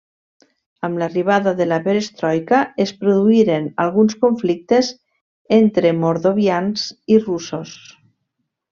Amb l'arribada de la perestroika es produïren alguns conflictes entre mordovians i russos.